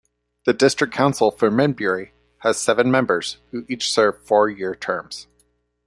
The district council for Min Buri has seven members, who each serve four-year terms.